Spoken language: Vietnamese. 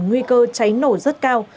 nguy cơ cháy nổ rất cao